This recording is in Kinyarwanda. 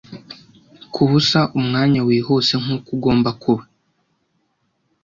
Kubusa umwanya wihuse nkuko ugomba kuba